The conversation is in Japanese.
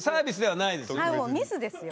はいもうミスですよ。